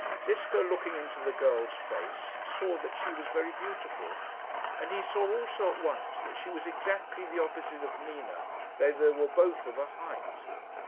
Ziska, looking into the girl's face, saw that she was very beautiful; and he saw also at once that she was exactly the opposite of Nina, though they were both of a height.